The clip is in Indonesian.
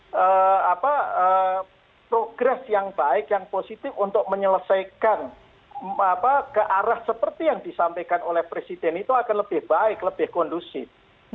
dan progres yang baik yang positif untuk menyelesaikan kearah seperti yang disampaikan oleh presiden itu akan lebih baik lebih kondusif